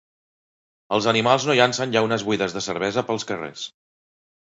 Els animals no llancen llaunes buides de cervesa pels carrers